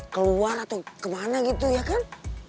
keluar atau kemana gitu ya kan